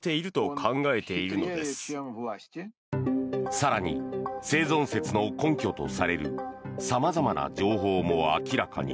更に、生存説の根拠とされる様々な情報も明らかに。